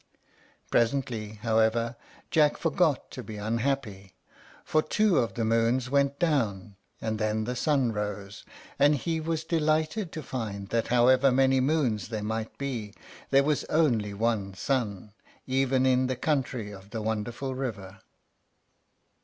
Presently, however, Jack forgot to be unhappy, for two of the moons went down, and then the sun rose, and he was delighted to find that however many moons there might be, there was only one sun, even in the country of the wonderful river.